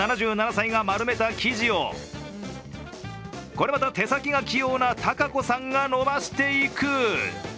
７７歳が丸めた生地をこれまた手先が器用なタカコさんが伸ばしていく。